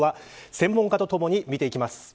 専門家とともに見ていきます。